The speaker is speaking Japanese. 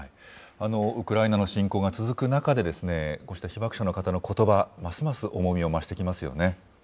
ウクライナの侵攻が続く中で、こうした被爆者の方のことば、ますます重みを増してきますよね。